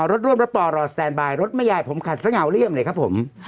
รถร่วมรถปอรอสแตนบายรถแม่ยายผมขัดสง่าเลี่ยมเลยครับผม